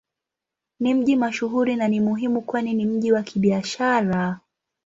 Ni mji mashuhuri na ni muhimu kwani ni mji wa Kibiashara.